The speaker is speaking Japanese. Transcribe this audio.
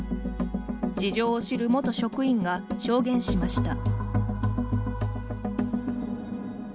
事情を知る元職員が証言しました。